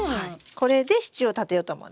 これで支柱を立てようと思うんです。